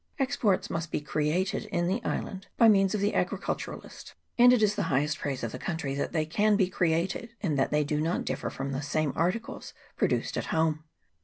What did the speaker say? Exports must be created in the island by means of the agriculturist ; and it is the highest praise of the country that they can be created, and that they do not differ from the same articles produced at home.